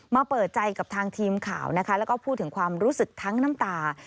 เปิดใจกับทางทีมข่าวนะคะแล้วก็พูดถึงความรู้สึกทั้งน้ำตา